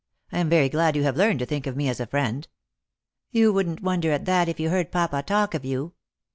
I am very glad you have learned to think of me as a friend." "You wouldn't wonder at that if you heard papa talk of you.